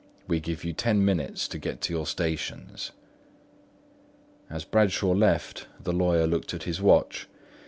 We give you ten minutes to get to your stations." As Bradshaw left, the lawyer looked at his watch.